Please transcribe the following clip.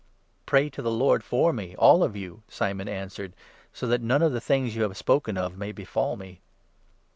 '"" Pray to the Lord for me, all of you," Simon answered, "so that none of the things you have spoken of may befall me."